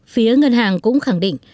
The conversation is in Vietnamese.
phía ngân hàng cũng khẳng định